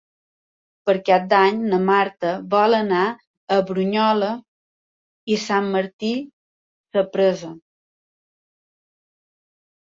Per Cap d'Any na Marta vol anar a Brunyola i Sant Martí Sapresa.